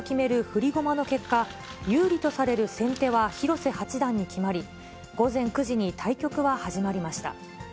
振り駒の結果、有利とされる先手は広瀬八段に決まり、午前９時に対局は始まりました。